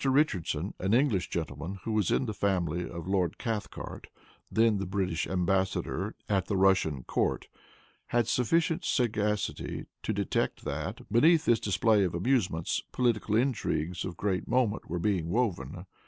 Richardson, an English gentleman who was in the family of Lord Cathcart, then the British embassador at the Russian court, had sufficient sagacity to detect that, beneath this display of amusements, political intrigues of great moment were being woven.